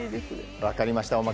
分かりました。